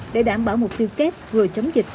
để đảm bảo mục tiêu kép người chống dịch